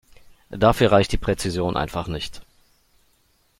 Dafür reicht die Präzision einfach nicht.